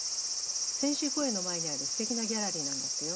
千秋公園の前にあるすてきなギャラリーなんだってよ。